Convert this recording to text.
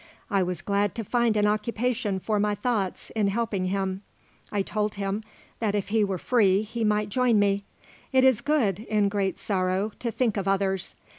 I was glad to find an occupation for my thoughts in helping him. I told him that if he were free he might join me. It is good, in great sorrow, to think of others.